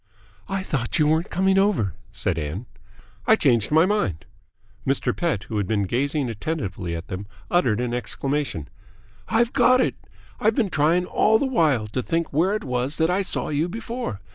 "I thought you weren't coming over!" said Ann. "I changed my mind." Mr. Pett, who had been gazing attentively at them, uttered an exclamation. "I've got it! I've been trying all this while to think where it was that I saw you before.